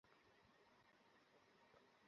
বসে বলো আমাদের।